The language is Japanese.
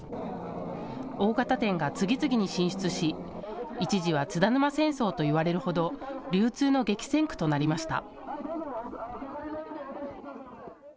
大型店が次々に進出し一時は津田沼戦争と言われるほど流通の激戦区となりました。